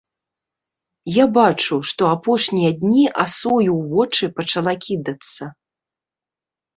Я бачу, што апошнія дні асою ў вочы пачала кідацца!